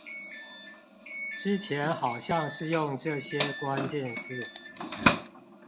之前好像是用這些關鍵字